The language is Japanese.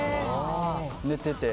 寝てて。